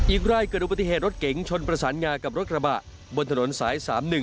อีกรายเกิดอุบัติเหตุรถเก๋งชนประสานงากับรถกระบะบนถนนสาย๓๑